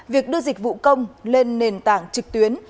việc đưa dịch vụ công lên nền tảng trực tuyến